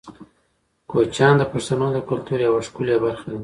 کوچیان د پښتنو د کلتور یوه ښکلې برخه ده.